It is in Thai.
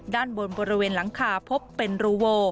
ด้านบนบริเวณหลังคาพบเป็นรูโว